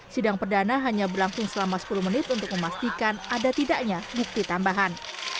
sidang perdana hanya berlangsung selama sepuluh menit untuk memastikan ada tidaknya bukti tambahan